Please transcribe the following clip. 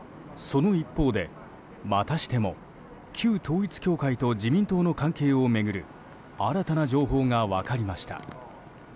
その一方で、またしても旧統一教会と自民党の関係を巡る新たな情報が分かりました。